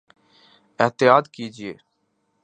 احطیاط کیجئے